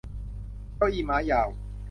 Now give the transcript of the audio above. เก้าอี้ม้ายาว